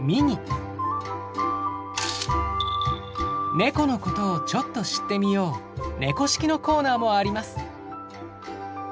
猫のことをちょっと知ってみよう「猫識」のコーナーもあります。